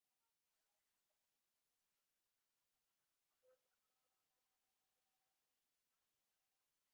ޖީބުގައި އޮތް އޭނާގެ ފޯނު ނަގައި އަވަސް އަވަހަށް ހަލޯއޭ ބުނެލީ އޭނާގެ ގެއިން ގުޅާތީ